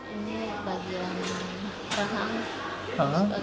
ini bagian rahang